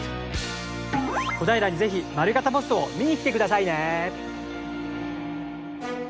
小平に是非丸型ポストを見に来てくださいね。